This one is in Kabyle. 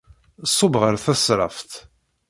Ṣubb ɣer tesraft.